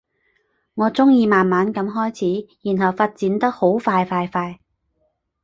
我鍾意慢慢噉開始，然後發展得好快快快